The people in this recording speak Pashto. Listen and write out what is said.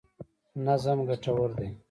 نظم ګټور دی.